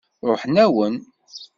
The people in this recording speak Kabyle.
Ṛuḥen-awen.